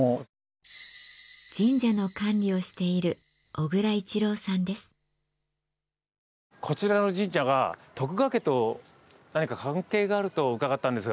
神社の管理をしているこちらの神社が徳川家と何か関係があると伺ったんですが。